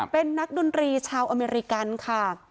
เป็นนักดนตรีชาวอเมริกันค่ะ